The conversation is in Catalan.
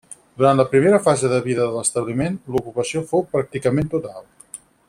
Durant la primera fase de vida de l'establiment, l'ocupació fou pràcticament total.